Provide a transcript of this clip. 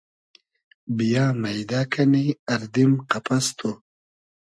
بییۂ مݷدۂ کئنی اردیم قئپئس تو